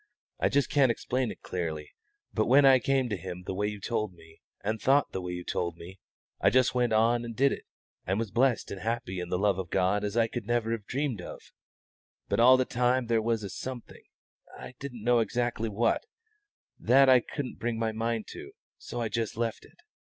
I can't just explain it clearly, but when I came to Him the way you told me, and thought the way you told me, I just went on and did it and was blessed and happy in the love of God as I never could have dreamed of; but all the time there was a something I didn't know exactly what that I couldn't bring my mind to; so I just left it.